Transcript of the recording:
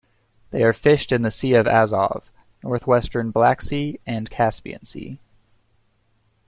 They are fished in the Sea of Azov, northwestern Black Sea and Caspian Sea.